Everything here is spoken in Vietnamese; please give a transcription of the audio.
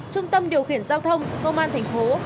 trung tâm điều khiển giao thông ngô man thành phố